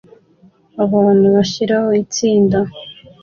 Abantu bashiraho itsinda